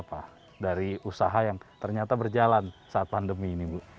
mimpi besar itu adalah untuk menjadikan usaha yang ternyata berjalan saat pandemi ini bu